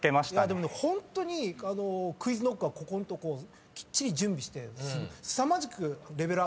でもホントにＱｕｉｚＫｎｏｃｋはここんとこきっちり準備して。